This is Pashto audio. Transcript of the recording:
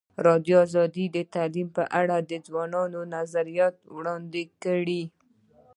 ازادي راډیو د تعلیم په اړه د ځوانانو نظریات وړاندې کړي.